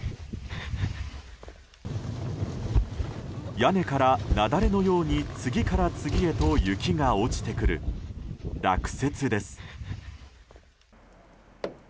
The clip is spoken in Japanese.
屋根から雪崩のように次から次へと雪が落ちてくる落雪です。